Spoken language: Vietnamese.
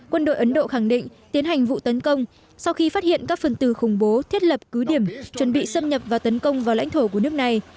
quân đội ấn độ khẳng định tiến hành vụ tấn công sau khi phát hiện các phần tử khủng bố thiết lập cứ điểm chuẩn bị xâm nhập và tấn công vào lãnh thổ của nước này